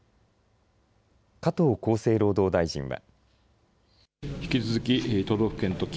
加藤厚生労働大臣は。